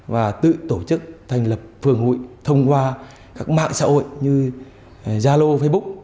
và tự tổ chức thành lập phường hội thông qua các mạng xã hội như zalo facebook